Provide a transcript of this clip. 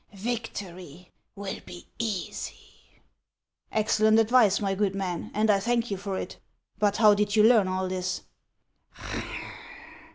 Victory will be easy." " Excellent advice, my good man, and I thank you for it ; but how did you learn all this